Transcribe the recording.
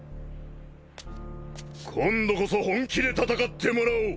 今度こそ本気で戦ってもらおう！